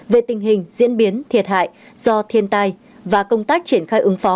về tình hình diễn biến thiệt hại do thiên tai và công tác triển khai ứng phó